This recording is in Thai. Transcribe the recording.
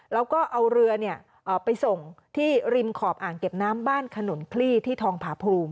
แล้วก็เอาเรือไปส่งที่ริมขอบอ่างเก็บน้ำบ้านขนุนพลี่ที่ทองผาภูมิ